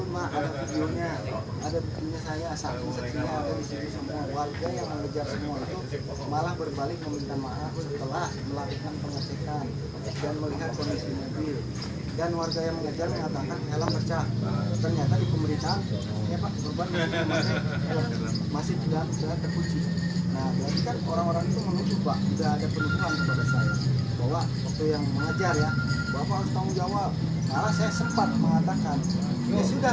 mengejar ya bapak harus tanggung jawab